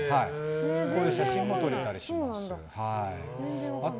こういう写真も撮れたりします。